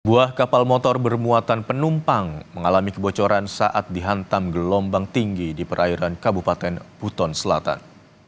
buah kapal motor bermuatan penumpang mengalami kebocoran saat dihantam gelombang tinggi di perairan kabupaten buton selatan